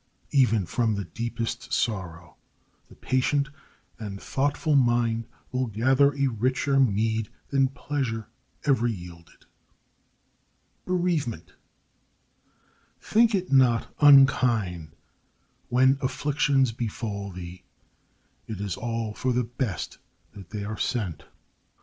Even from the deepest sorrow the patient and thoughtful mind will gather a richer mead than pleasure ever yielded. [Illustration: BEREAVEMENT.] Think it not unkind when afflictions befall thee; it is all for the best that they are sent.